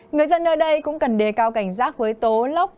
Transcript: người dân nơi đây cũng cần đề cao cảnh giác với tố lốc